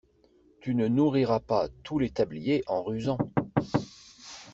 Tu ne nourriras pas tous les tabliers en rusant.